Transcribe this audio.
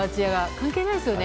関係ないですよね。